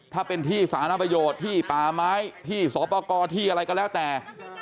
ถ้าเป็นที่สานประโยชน์ที่ป่าไม้ที่สอบประกอบที่อะไรก็แล้วแต่